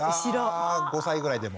あ５歳ぐらいでも。